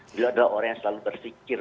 beliau adalah orang yang selalu berfikir